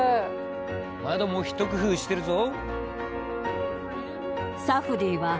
窓も一工夫してるぞ。